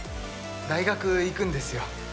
大学行くんですよ。